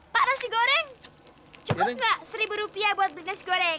pak nasi goreng cukup gak seribu rupiah buat beli nasi goreng